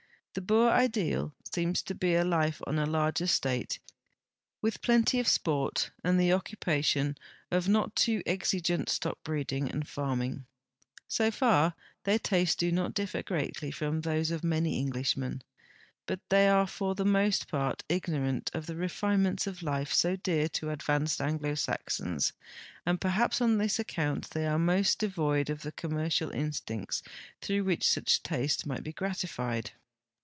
The Boer ideal seems to be life on a large estate, with plenty of sport and the occu})ation of not too exigent stockbreeding and farming. So far their tastes do not differ greatly from those of many Englishmen, but they are for the most part ignorant of the refinements of life so dear to advanced Anglo Saxons, and perhaps on this account they are almost de void of the commercial instincts through which such tastes might be gratified.